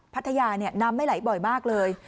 พัทยาน้ำไม่ไหลบ่อยมากเลย